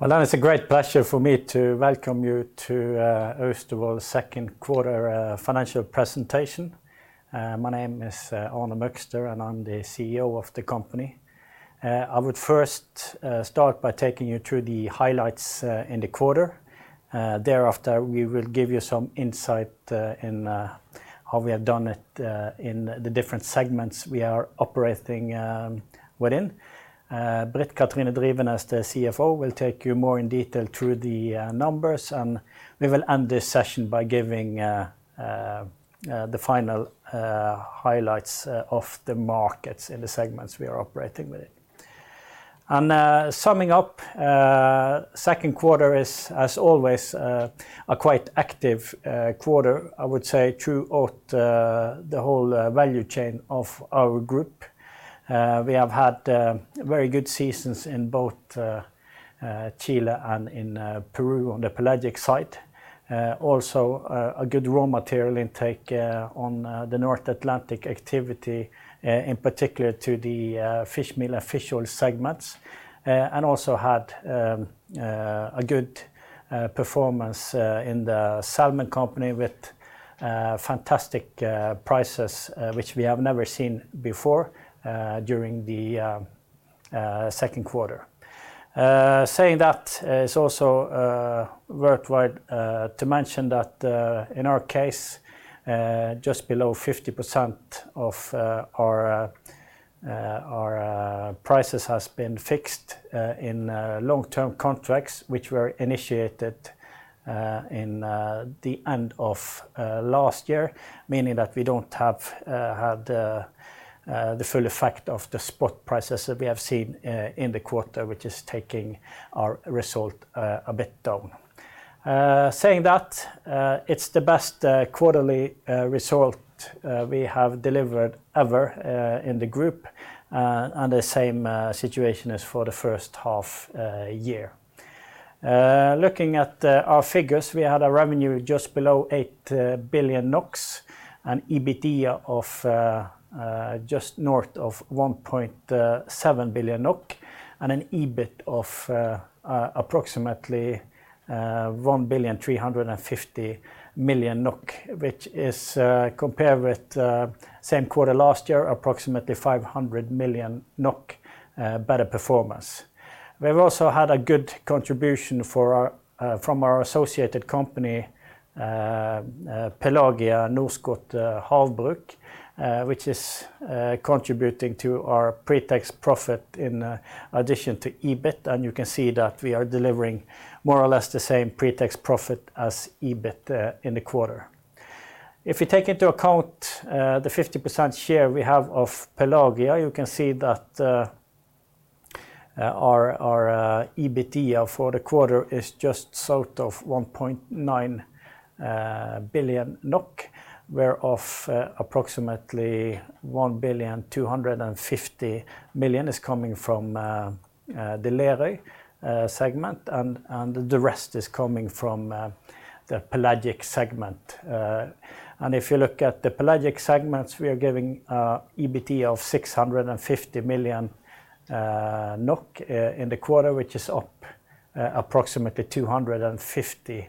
Well, then it's a great pleasure for me to welcome you to Austevoll second quarter financial presentation. My name is Arne Møgster, and I'm the CEO of the company. I would first start by taking you through the highlights in the quarter. Thereafter, we will give you some insight in how we have done it in the different segments we are operating within. Britt Kathrine Drivenes, the CFO, will take you more in detail through the numbers, and we will end this session by giving the final highlights of the markets in the segments we are operating within. Summing up, second quarter is, as always, a quite active quarter, I would say, throughout the whole value chain of our group. We have had very good seasons in both Chile and in Peru on the pelagic side. Also, a good raw material intake on the North Atlantic activity in particular to the fish meal and fish oil segments. Also had a good performance in the salmon company with fantastic prices which we have never seen before during the second quarter. Saying that, it's also worthwhile to mention that in our case just below 50% of our prices has been fixed in long-term contracts, which were initiated in the end of last year, meaning that we don't have the full effect of the spot prices that we have seen in the quarter, which is taking our result a bit down. Saying that, it's the best quarterly result we have delivered ever in the group and the same situation as for the first half year. Looking at our figures, we had a revenue just below 8 billion NOK and EBITDA of just north of 1.7 billion NOK and an EBIT of approximately 1.35 billion, which is compared with same quarter last year approximately 500 million NOK better performance. We've also had a good contribution from our associated company Pelagia Norskott Havbruk, which is contributing to our pre-tax profit in addition to EBIT, and you can see that we are delivering more or less the same pre-tax profit as EBIT in the quarter. If you take into account the 50% share we have of Pelagia, you can see that our EBIT for the quarter is just south of 1.9 billion NOK, whereof approximately 1.25 billion is coming from the Lerøy Segment and the rest is coming from the pelagic segment. If you look at the Pelagic Segment, we are giving an EBIT of 650 million NOK in the quarter, which is up approximately 250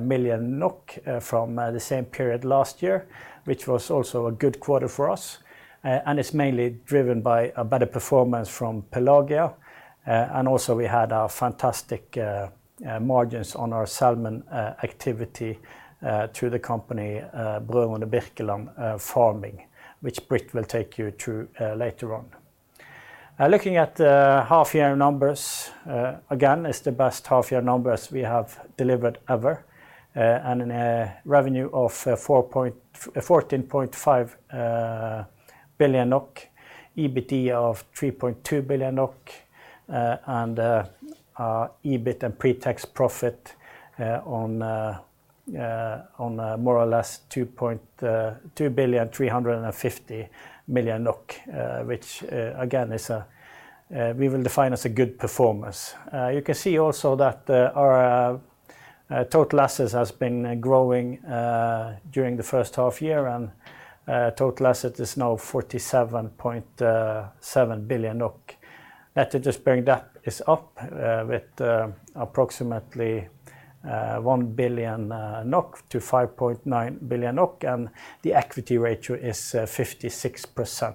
million NOK from the same period last year, which was also a good quarter for us. It's mainly driven by a better performance from Pelagia, and also we had our fantastic margins on our salmon activity through the company Br. Birkeland Farming, which Britt will take you through later on. Looking at the half year numbers, again, it's the best half year numbers we have delivered ever, with a revenue of 14.5 billion NOK, EBIT of 3.2 billion NOK, and our EBITA and pre-tax profit of more or less 2.55 billion, which again we will define as a good performance. You can see also that our total assets has been growing during the first half year and total asset is now 47.7 billion NOK. Net interest bearing debt is up with approximately 1 billion NOK to 5.9 billion NOK, and the equity ratio is 56%.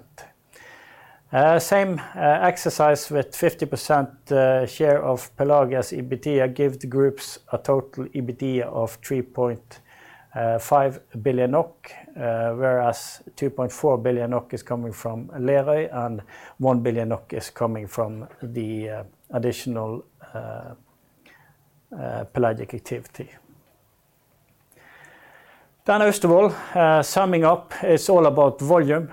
Same exercise with 50% share of Pelagia's EBITA give the groups a total EBITA of 3.5 billion NOK, whereas 2.4 billion NOK is coming from Lerøy and 1 billion NOK is coming from the additional pelagic activity. Austevoll summing up, it's all about volume.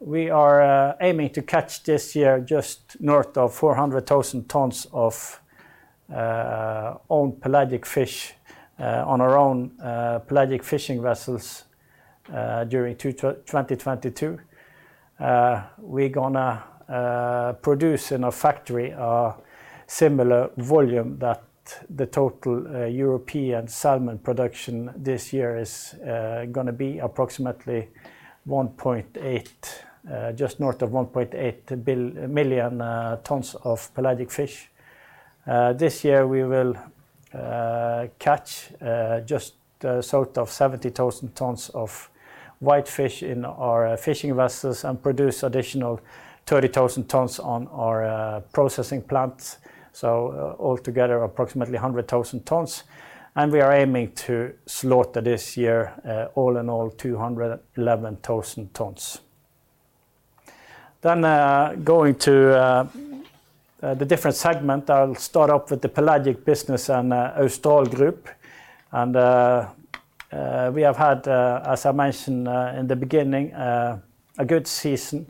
We are aiming to catch this year just north of 400,000 tons of our own pelagic fish on our own pelagic fishing vessels during 2022. We're gonna produce in our factory a similar volume that the total European salmon production this year is gonna be approximately just north of 1.8 million tons of pelagic fish. This year, we will catch just short of 70,000 tons of whitefish in our fishing vessels and produce additional 30,000 tons on our processing plants, so altogether approximately 100,000 tons. We are aiming to slaughter this year, all in all, 211,000 tons. Going to the different segment, I'll start off with the pelagic business and Austral Group. We have had, as I mentioned in the beginning, a good season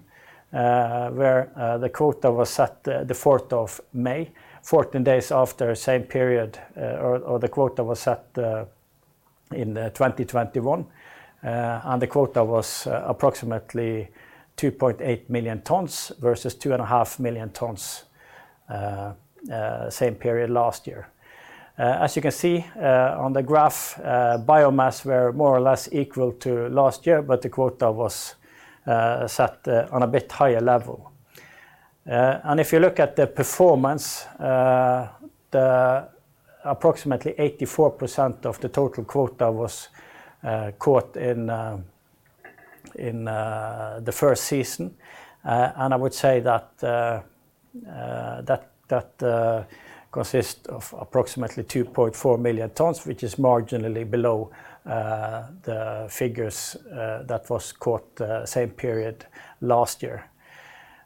where the quota was set the fourth of May, 14 days after same period or the quota was set in 2021. The quota was approximately 2.8 million tons versus 2.5 million tons same period last year. As you can see on the graph, biomass were more or less equal to last year, but the quota was set on a bit higher level. If you look at the performance, the approximately 84% of the total quota was caught in the first season. I would say that consists of approximately 2.4 million tons, which is marginally below the figures that was caught same period last year.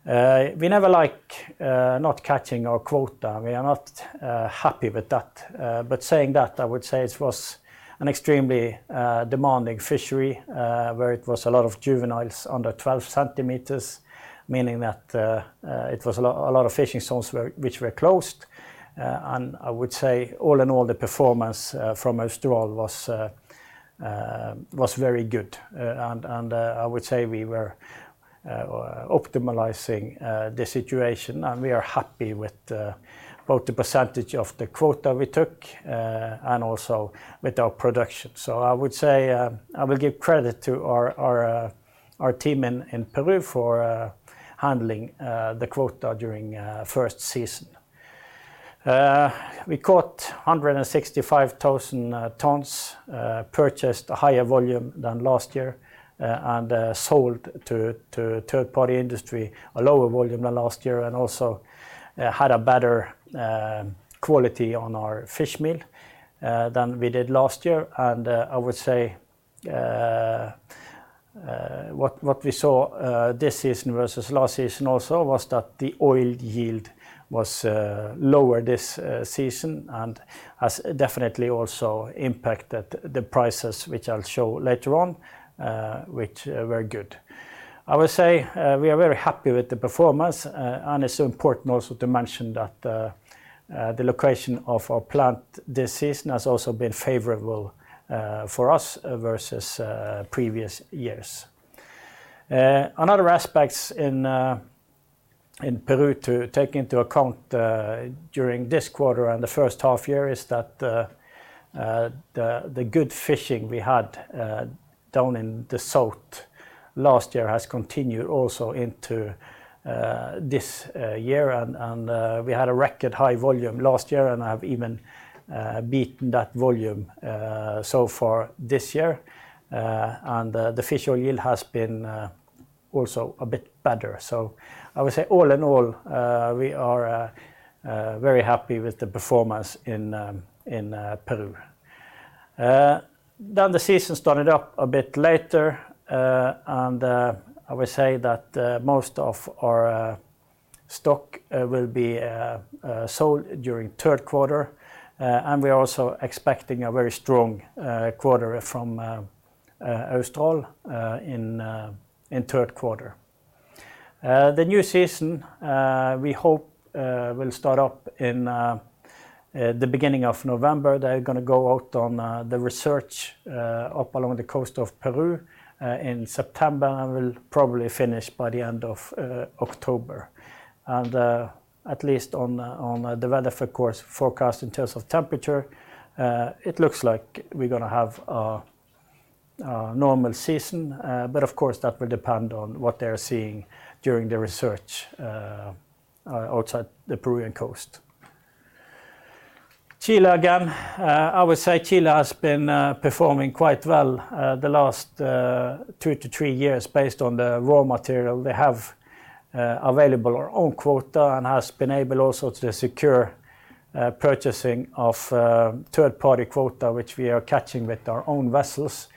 We never like not catching our quota. We are not happy with that. Saying that, I would say it was an extremely demanding fishery where it was a lot of juveniles under 12 cm, meaning that it was a lot of fishing zones which were closed. I would say all in all the performance from Austral was very good. I would say we were optimizing the situation, and we are happy with both the percentage of the quota we took and also with our production. I would say I will give credit to our team in Peru for handling the quota during first season. We caught 165,000 tons, purchased a higher volume than last year, and sold to third-party industry a lower volume than last year, and also had a better quality on our fish meal than we did last year. I would say what we saw this season versus last season also was that the oil yield was lower this season and has definitely also impacted the prices, which I'll show later on, which were good. I will say, we are very happy with the performance, and it's important also to mention that, the location of our plant this season has also been favorable, for us, versus previous years. Another aspects in Peru to take into account, during this quarter and the first half year is that, the good fishing we had, down in the south last year has continued also into this year. We had a record high volume last year, and have even beaten that volume, so far this year. And the fish oil yield has been also a bit better. I would say all in all, we are very happy with the performance in Peru. The season started up a bit later, and I would say that most of our stock will be sold during third quarter. We are also expecting a very strong quarter from Austral in third quarter. The new season we hope will start up in the beginning of November. They're gonna go out on the research up along the coast of Peru in September and will probably finish by the end of October. At least on the weather forecast in terms of temperature, it looks like we're gonna have a normal season. Of course, that will depend on what they are seeing during the research outside the Peruvian coast. Chile again, I would say Chile has been performing quite well the last two-three years based on the raw material they have available. Our own quota and has been able also to secure purchasing of third-party quota, which we are catching with our own vessels,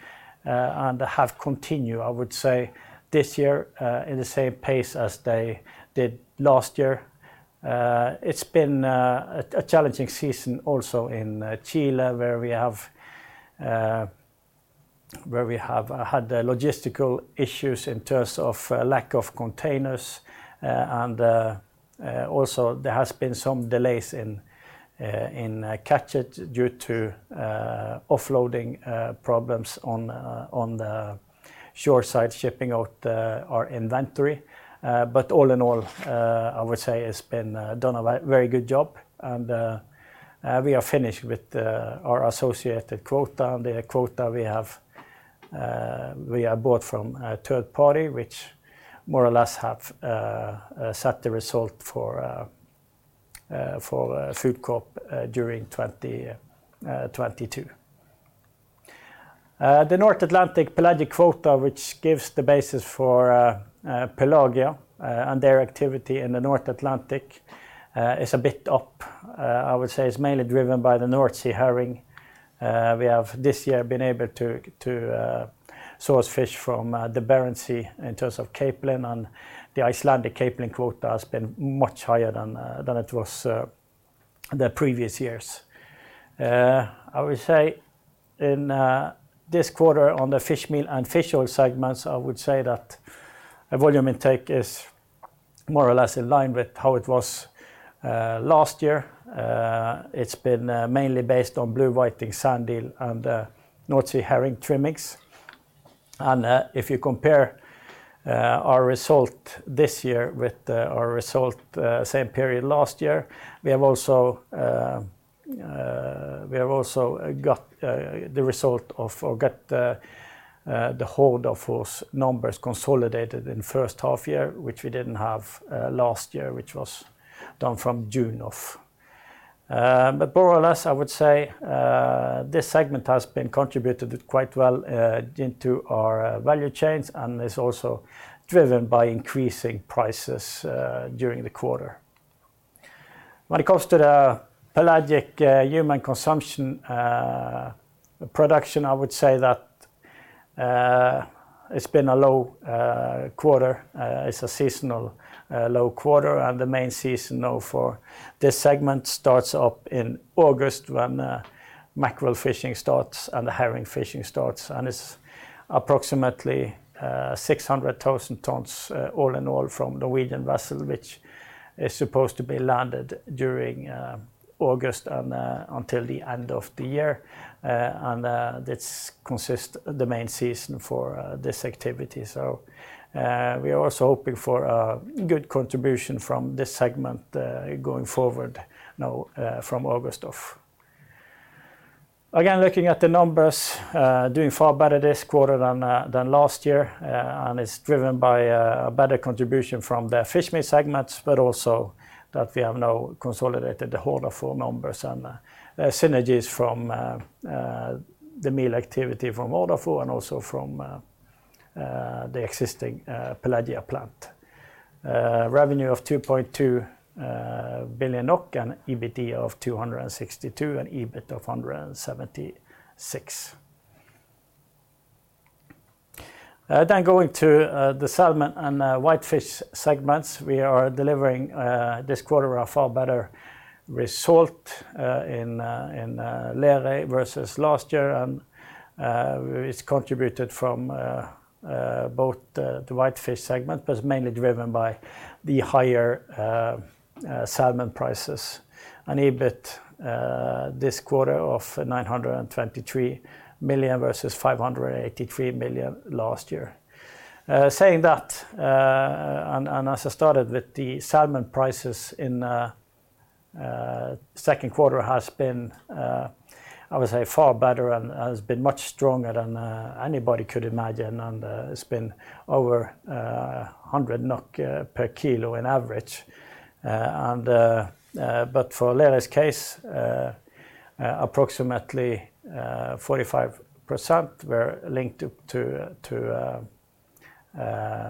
and have continued, I would say, this year, in the same pace as they did last year. It's been a challenging season also in Chile, where we have had logistical issues in terms of lack of containers, and also there has been some delays in catch due to offloading problems on the shoreside shipping of our inventory. All in all, I would say it's been done a very good job, and we are finished with our associated quota and the quota we have bought from a third party, which more or less have set the result for Foodcorp during 2022. The North Atlantic pelagic quota, which gives the basis for Pelagia and their activity in the North Atlantic, is a bit up. I would say it's mainly driven by the North Sea herring. We have this year been able to source fish from the Barents Sea in terms of capelin, and the Icelandic capelin quota has been much higher than it was the previous years. I would say in this quarter on the fish meal and fish oil segments, I would say that volume intake is more or less in line with how it was last year. It's been mainly based on blue whiting, sandeel and North Sea herring trimmings. If you compare our result this year with our result same period last year, we have also got the whole of those numbers consolidated in first half year, which we didn't have last year, which was down from June of. More or less, I would say this segment has been contributed quite well into our value chains and is also driven by increasing prices during the quarter. When it comes to the pelagic, human consumption, production, I would say that, it's been a low quarter. It's a seasonal low quarter, and the main season for this segment starts up in August when mackerel fishing starts and the herring fishing starts. It's approximately 600,000 tons all in all from Norwegian vessel, which is supposed to be landed during August and until the end of the year. This consist the main season for this activity. We are also hoping for a good contribution from this segment, going forward now, from August of. Again, looking at the numbers, doing far better this quarter than last year, and it's driven by a better contribution from the fish meal segments, but also that we have now consolidated the Hordafôr numbers and synergies from the meal activity from Hordafôr and also from the existing Pelagia plant. Revenue of 2.2 billion NOK and EBIT of 262 million and EBIT of 176 million. Going to the salmon and whitefish segments. We are delivering this quarter a far better result in Lerøy versus last year. It's contributed from both the whitefish segment, but it's mainly driven by the higher salmon prices and EBIT this quarter of 923 million versus 583 million last year. Saying that, as I started with the salmon prices in second quarter has been, I would say far better and has been much stronger than anybody could imagine. It's been over 100 NOK per kilo on average. But for Lerøy's case, approximately 45% were linked to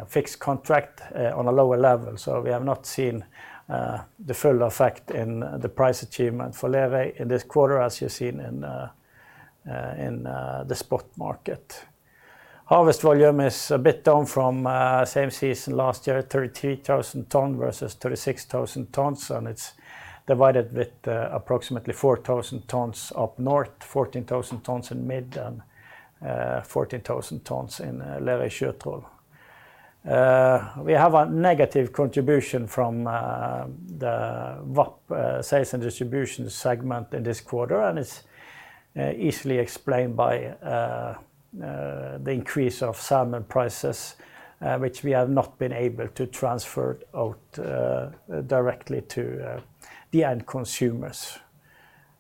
fixed contract on a lower level. We have not seen the full effect in the price achievement for Lerøy in this quarter, as you've seen in the spot market. Harvest volume is a bit down from same season last year, 33,000 tons versus 36,000 tons, and it's divided with approximately 4,000 tons up north, 14,000 tons in Midt and 14,000 tons in Lerøy Sjøtroll. We have a negative contribution from the VAP sales and distribution segment in this quarter, and it's easily explained by the increase of salmon prices, which we have not been able to transfer out directly to the end consumers.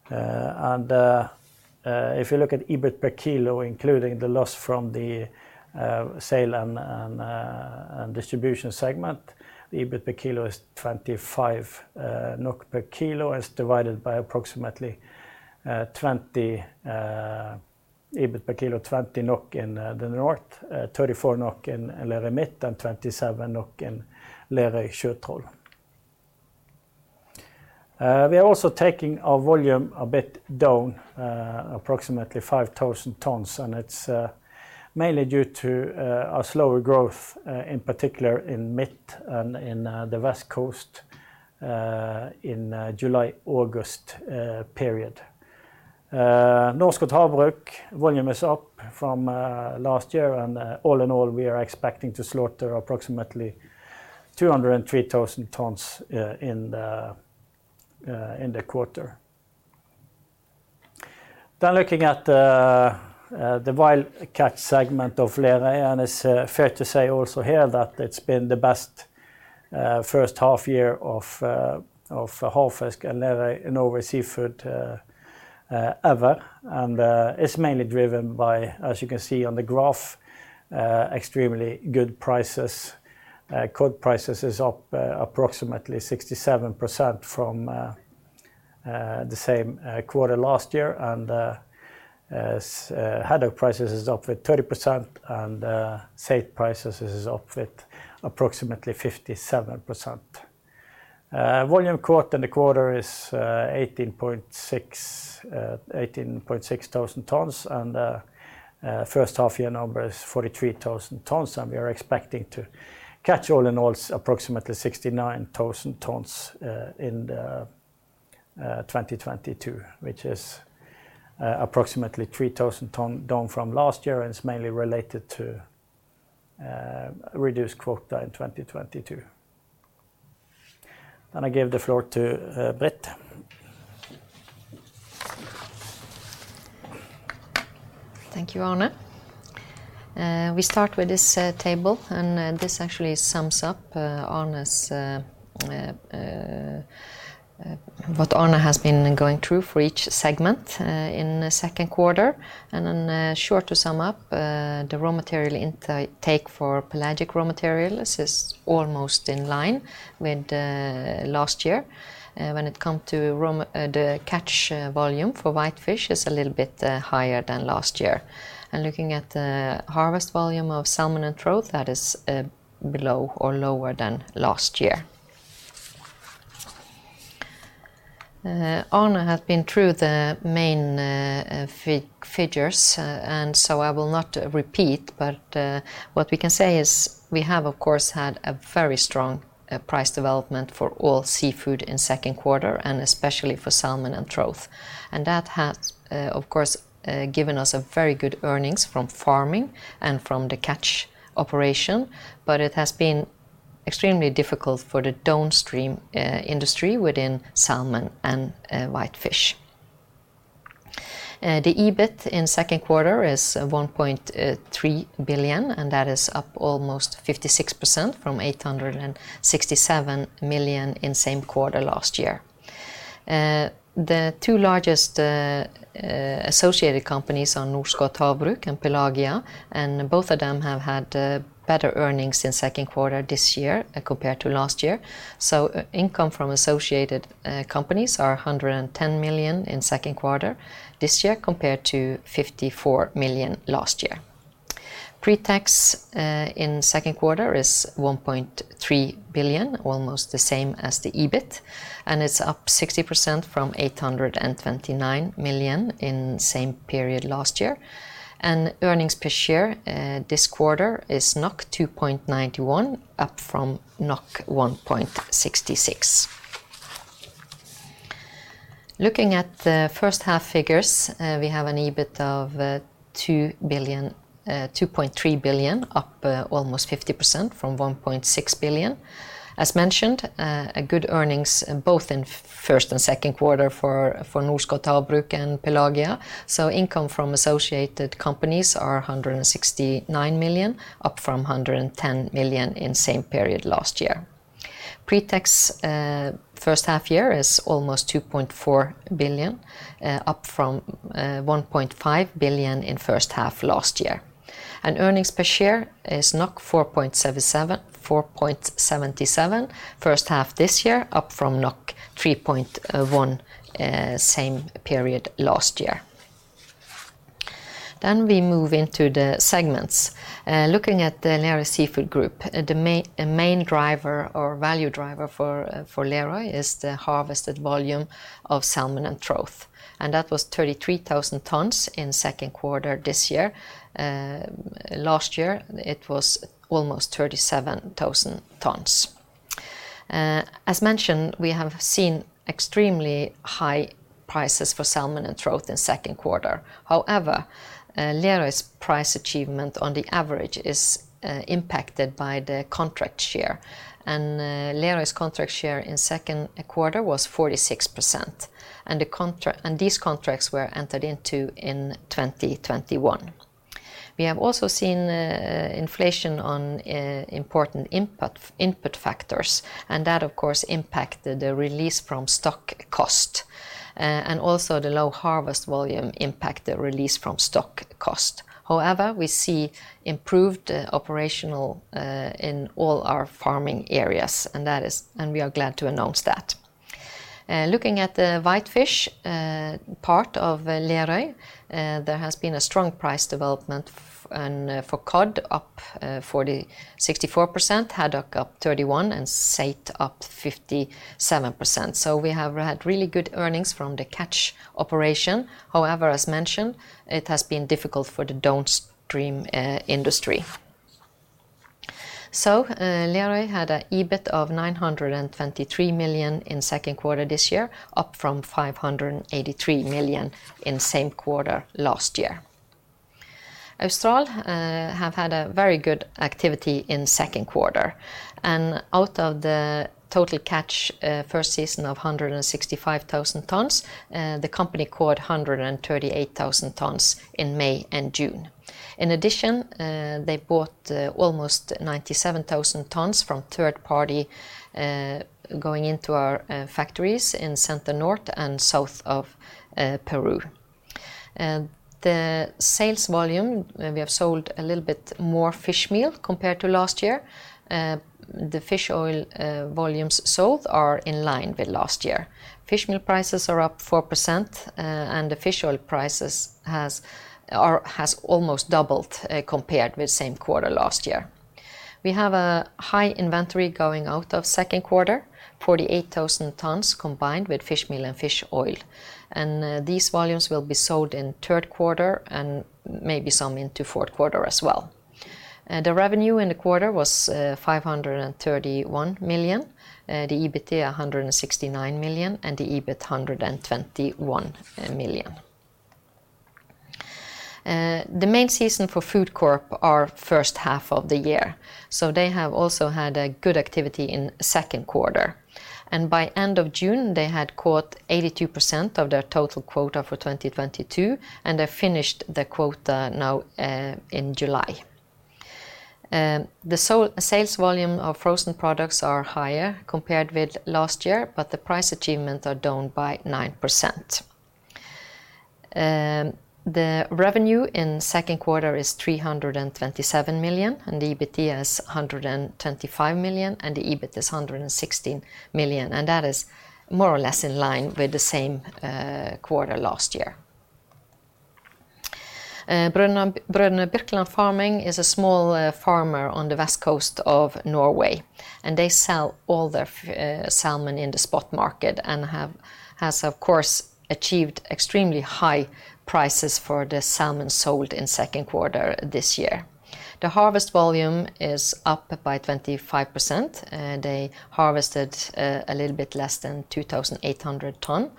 If you look at EBIT per kilo, including the loss from the sale and distribution segment, the EBIT per kilo is 25 NOK per kilo. It's divided by approximately 20 EBIT per kilo, 20 NOK in the North, 34 NOK in Lerøy Midt and 27 NOK in Lerøy Sjøtroll. We are also taking our volume a bit down, approximately 5,000 tons, and it's mainly due to a slower growth, in particular in Midt and in the West Coast in July-August period. Norskott Havbruk volume is up from last year and, all in all, we are expecting to slaughter approximately 203,000 tons in the quarter. Looking at the wild catch segment of Lerøy, it's fair to say also here that it's been the best first half year of Havfisk and Lerøy Norway Seafoods ever. It's mainly driven by, as you can see on the graph, extremely good prices. Cod prices is up approximately 67% from the same quarter last year. As haddock prices is up with 30% and saithe prices is up with approximately 57%. Volume caught in the quarter is 18,600 tons, and first half year number is 43,000 tons, and we are expecting to catch all in all approximately 69,000 tons in the 2022, which is approximately 3,000 ton down from last year and it's mainly related to reduced quota in 2022. I give the floor to Britt. Thank you, Arne. We start with this table, and this actually sums up what Arne has been going through for each segment in the second quarter. Then, shortly to sum up, the raw material intake for pelagic raw material. This is almost in line with last year. When it come to the catch volume for whitefish is a little bit higher than last year. Looking at the harvest volume of salmon and trout, that is below or lower than last year. Arne has been through the main figures, and so I will not repeat, but what we can say is we have of course had a very strong price development for all seafood in second quarter, and especially for salmon and trout. That has, of course, given us a very good earnings from farming and from the catch operation, but it has been extremely difficult for the downstream industry within salmon and whitefish. The EBIT in second quarter is 1.3 billion, and that is up almost 56% from 867 million in same quarter last year. The two largest associated companies are Norskott Havbruk and Pelagia, and both of them have had better earnings in second quarter this year compared to last year. Income from associated companies are 110 million in second quarter this year compared to 54 million last year. Pre-tax in second quarter is 1.3 billion, almost the same as the EBIT, and it's up 60% from 829 million in same period last year. Earnings per share this quarter is 2.91, up from 1.66. Looking at the first half figures, we have an EBIT of 2.3 billion, up almost 50% from 1.6 billion. As mentioned, a good earnings both in first and second quarter for Norskott Havbruk and Pelagia. Income from associated companies are 169 million, up from 110 million in same period last year. Pre-tax first half year is almost 2.4 billion, up from 1.5 billion in first half last year. Earnings per share is 4.77 first half this year up from 3.1 same period last year. We move into the segments. Looking at the Lerøy Seafood Group, the main driver or value driver for Lerøy is the harvested volume of salmon and trout, and that was 33,000 tons in second quarter this year. Last year it was almost 37,000 tons. As mentioned, we have seen extremely high prices for salmon and trout in second quarter. However, Lerøy's price achievement on the average is impacted by the contract share. Lerøy's contract share in second quarter was 46%, and these contracts were entered into in 2021. We have also seen inflation on important input factors, and that of course impacted the release from stock cost. Also the low harvest volume impact the release from stock cost. However, we see improved operational in all our farming areas, and we are glad to announce that. Looking at the whitefish part of Lerøy, there has been a strong price development and for cod up 64%, haddock up 31%, and saithe up 57%. We have had really good earnings from the catch operation. However, as mentioned, it has been difficult for the downstream industry. Lerøy had a EBIT of 923 million in second quarter this year, up from 583 million in same quarter last year. Austevoll have had a very good activity in second quarter, and out of the total catch, first season of 165,000 tons, the company caught 138,000 tons in May and June. In addition, they bought almost 97,000 tons from third party going into our factories in Centro Norte and south of Peru. The sales volume, we have sold a little bit more fish meal compared to last year. The fish oil volumes sold are in line with last year. Fish meal prices are up 4%, and the fish oil prices has almost doubled compared with same quarter last year. We have a high inventory going out of second quarter, 48,000 tons combined with fish meal and fish oil. These volumes will be sold in third quarter and maybe some into fourth quarter as well. The revenue in the quarter was 531 million, the EBIT 169 million, and the EBITA 121 million. The main season for Foodcorp is the first half of the year, so they have also had a good activity in second quarter. By end of June, they had caught 82% of their total quota for 2022, and they finished the quota now in July. The sales volume of frozen products is higher compared with last year, but the price achievement is down by 9%. The revenue in second quarter is 327 million, and the EBIT is 125 million, and the EBIT is 116 million, and that is more or less in line with the same quarter last year. Br. Birkeland Farming AS is a small farmer on the west coast of Norway, and they sell all their salmon in the spot market and has of course achieved extremely high prices for the salmon sold in second quarter this year. The harvest volume is up by 25%, and they harvested a little bit less than 2,800 tons.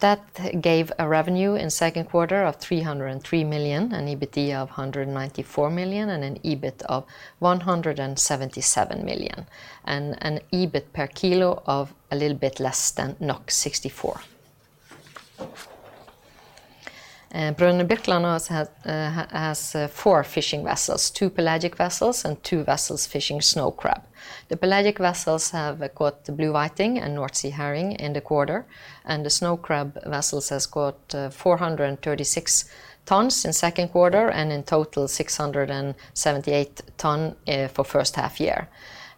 That gave a revenue in second quarter of 303 million, an EBIT of 194 million, and an EBIT of 177 million, and an EBIT per kilo of a little bit less than 64. Br. Birkeland has four fishing vessels, two pelagic vessels and two vessels fishing snow crab. The pelagic vessels have caught the blue whiting and North Sea herring in the quarter, and the snow crab vessels has caught 436 tons in second quarter and in total 678 tons for first half year.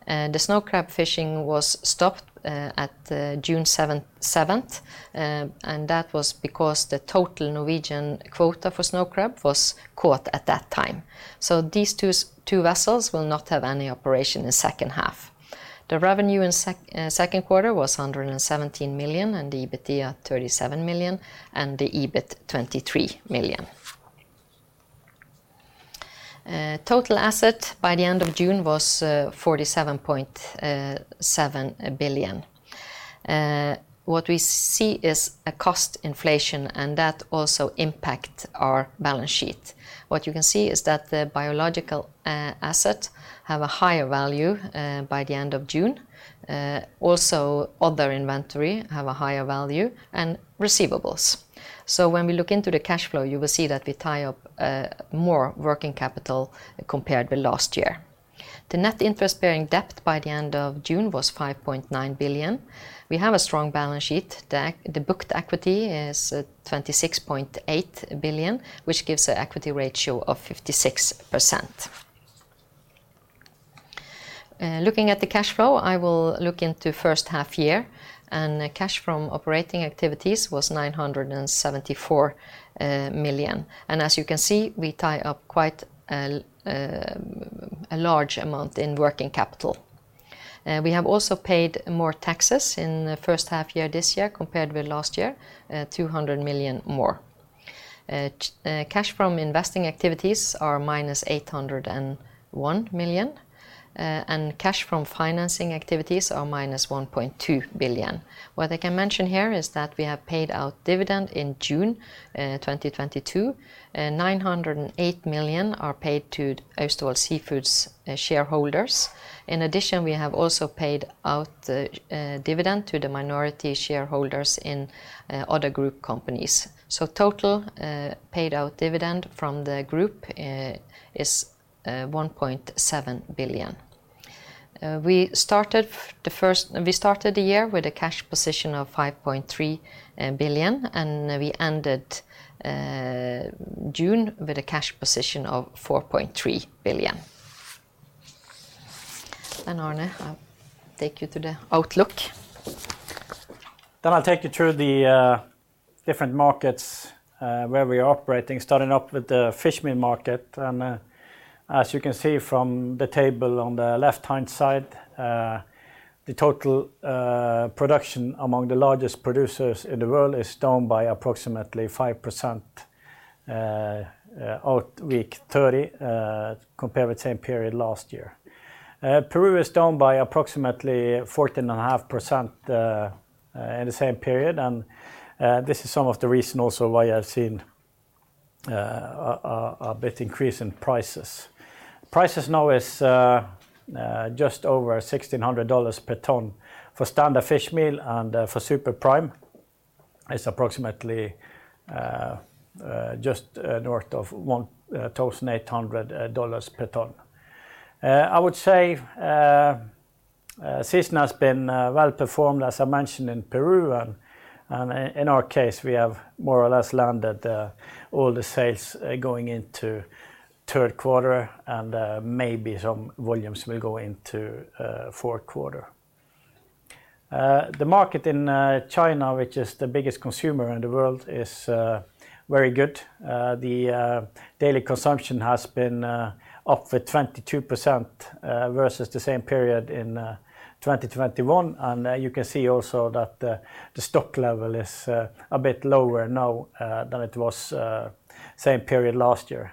The snow crab fishing was stopped at June seventh, and that was because the total Norwegian quota for snow crab was caught at that time. These two vessels will not have any operation in second half. The revenue in second quarter was 117 million and the EBIT 37 million and the EBIT 23 million. Total assets by the end of June was 47.7 billion. What we see is a cost inflation and that also impact our balance sheet. What you can see is that the biological asset have a higher value by the end of June. Also other inventory have a higher value and receivables. When we look into the cash flow, you will see that we tie up more working capital compared with last year. The net interest-bearing debt by the end of June was 5.9 billion. We have a strong balance sheet. The booked equity is 26.8 billion, which gives a equity ratio of 56%. Looking at the cash flow, I will look into first half year, and cash from operating activities was 974 million. As you can see, we tie up quite a large amount in working capital. We have also paid more taxes in the first half year this year compared with last year, 200 million more. Cash from investing activities are -801 million, and cash from financing activities are -1.2 billion. What I can mention here is that we have paid out dividend in June 2022. 908 million are paid to Austevoll Seafood's shareholders. In addition, we have also paid out dividend to the minority shareholders in other group companies. Total paid out dividend from the group is 1.7 billion. We started the year with a cash position of 5.3 billion, and we ended June with a cash position of 4.3 billion. Arne, I take you to the outlook. I'll take you through the different markets where we are operating, starting off with the fish meal market. As you can see from the table on the left-hand side, the total production among the largest producers in the world is down by approximately 5%, up to week 30, compared with same period last year. Peru is down by approximately 14.5% in the same period. This is some of the reason also why I've seen a bit increase in prices. Prices now is just over $1,600 per ton for standard fish meal and for super prime, it's approximately just north of $1,800 per ton. I would say season has been well-performed, as I mentioned, in Peru. In our case, we have more or less landed all the sales going into third quarter, and maybe some volumes will go into fourth quarter. The market in China, which is the biggest consumer in the world, is very good. The daily consumption has been up 22% versus the same period in 2021. You can see also that the stock level is a bit lower now than it was same period last year.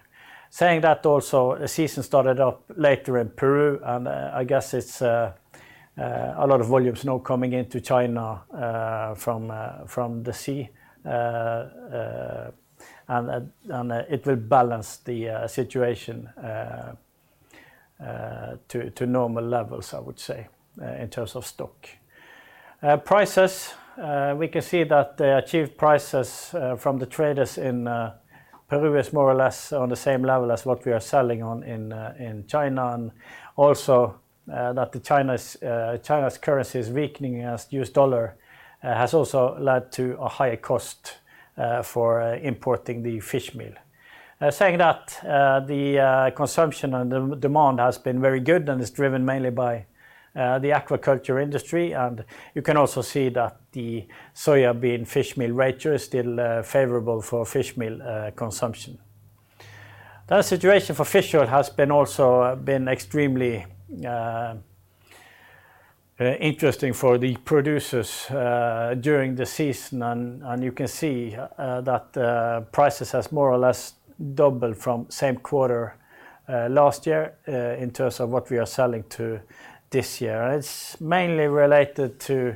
Saying that also, the season started off later in Peru, and I guess it's a lot of volumes now coming into China from the sea. It will balance the situation to normal levels, I would say, in terms of stock. Prices, we can see that the achieved prices from the traders in Peru is more or less on the same level as what we are selling on in China. Also, that China's currency is weakening against U.S. dollar has also led to a higher cost for importing the fish meal. Saying that, the consumption and demand has been very good and is driven mainly by the aquaculture industry. You can also see that the soya bean fish meal ratio is still favorable for fish meal consumption. The situation for fish oil has been also extremely interesting for the producers during the season. You can see that prices has more or less doubled from same quarter last year in terms of what we are selling to this year. It's mainly related to,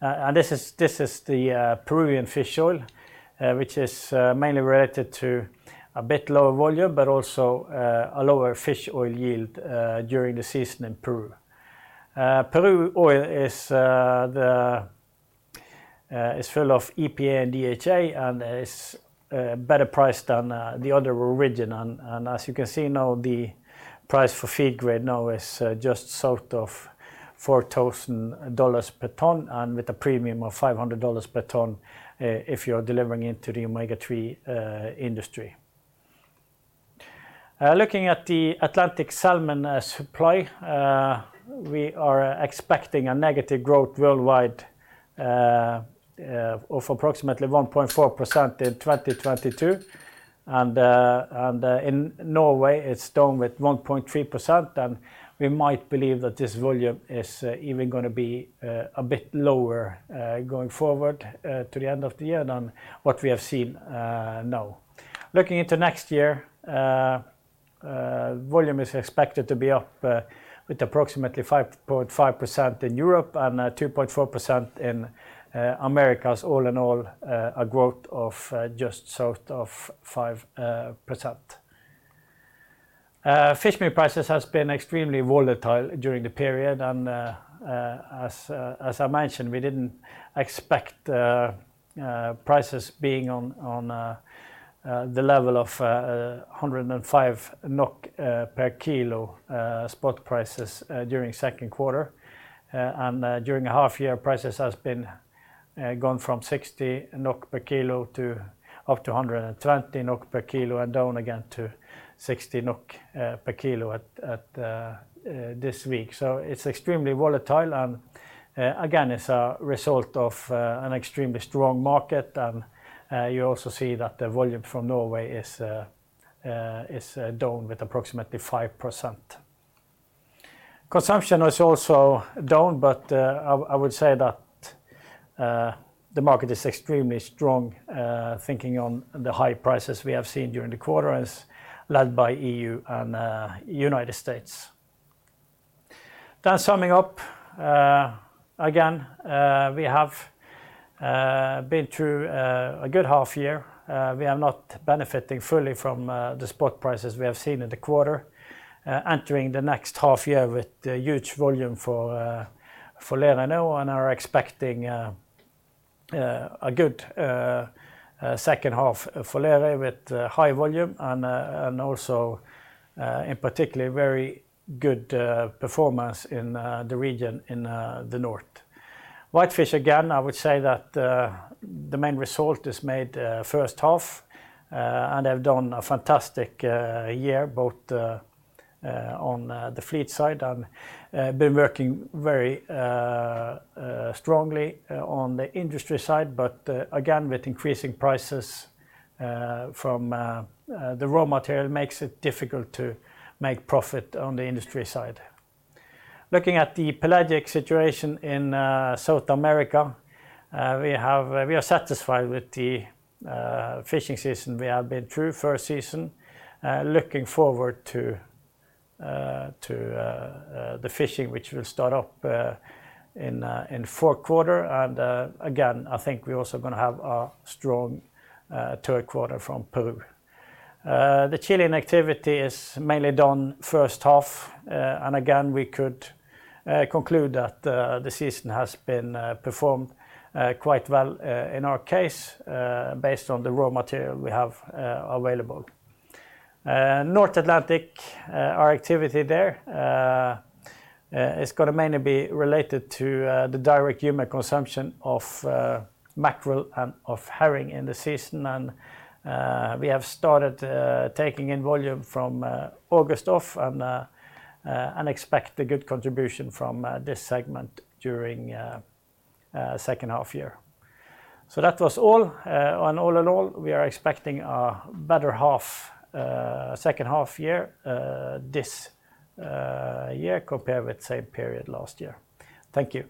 and this is the Peruvian fish oil, which is mainly related to a bit lower volume, but also a lower fish oil yield during the season in Peru. Peruvian fish oil is full of EPA and DHA, and is better priced than the other origin. As you can see now, the price for feed-grade now is just south of $4,000 per ton, and with a premium of $500 per ton, if you're delivering into the Omega-3 Industry. Looking at the Atlantic Salmon Supply, we are expecting a negative growth worldwide of approximately 1.4% in 2022. In Norway, it's down with 1.3%, and we might believe that this volume is even gonna be a bit lower going forward to the end of the year than what we have seen now. Looking into next year, volume is expected to be up with approximately 5.5% in Europe and 2.4% in Americas. All in all, a growth of just south of 5%. Fish meal prices has been extremely volatile during the period. As I mentioned, we didn't expect prices being on the level of 105 NOK per kilo spot prices during second quarter. During a half year, prices has been gone from 60 NOK per kilo to up to 120 NOK per kilo and down again to 60 NOK per kilo at this week. It's extremely volatile and again, it's a result of an extremely strong market. You also see that the volume from Norway is down with approximately 5%. Consumption is also down, but I would say that the market is extremely strong, thanks to the high prices we have seen during the quarter as led by EU and United States. Summing up, again, we have been through a good half year. We are not benefiting fully from the spot prices we have seen in the quarter. Entering the next half year with a huge volume for Lerøy now and are expecting a good second half for Lerøy with high volume and also, in particular, very good performance in the region in the north. Whitefish, again, I would say that the main result is made first half and they've done a fantastic year both on the fleet side and been working very strongly on the industry side. Again, with increasing prices from the raw material, makes it difficult to make profit on the industry side. Looking at the pelagic situation in South America, we are satisfied with the fishing season we have been through, first season. Looking forward to the fishing, which will start up in fourth quarter. Again, I think we're also gonna have a strong third quarter from Peru. The Chilean activity is mainly done first half. Again, we could conclude that the season has been performed quite well in our case, based on the raw material we have available. North Atlantic, our activity there is gonna mainly be related to the direct human consumption of mackerel and of herring in the season. We have started taking in volume from August off and expect a good contribution from this segment during second half year. That was all. All in all, we are expecting a better second half year this year compared with same period last year. Thank you.